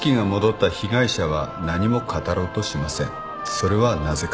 それはなぜか。